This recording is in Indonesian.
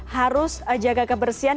harus jaga kebersihan